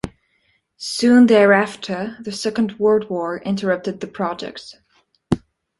Soon thereafter, the Second World War interrupted the project.